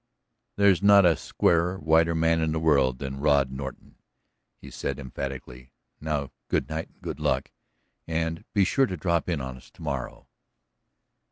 "There's not a squarer, whiter man in the world than Rod Norton," he said emphatically. "Now good night and good luck, and be sure to drop in on us to morrow."